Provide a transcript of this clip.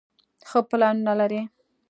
ښۀ پلانونه لري